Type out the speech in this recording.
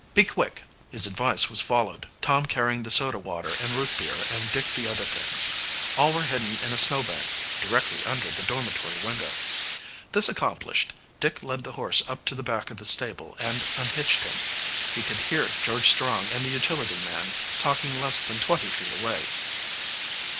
"Be quick!" His advice was followed, Tom carrying the soda water and root beer and Dick the other things. All were hidden in a snow bank directly under the dormitory window. This accomplished, Dick led the horse up to the back of the stable and unhitched him. He could hear George Strong and the utility man talking less than twenty feet away.